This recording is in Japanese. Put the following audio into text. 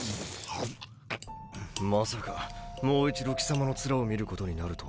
まさかもう一度貴様の面を見ることになるとはな。